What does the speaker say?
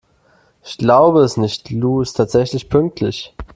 Ich glaube es nicht, Lou ist tatsächlich pünktlich!